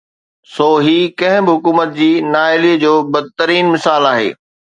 سو هي ڪنهن به حڪومت جي نااهلي جو بدترين مثال آهي.